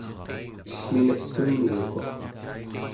ellminek kemyukuq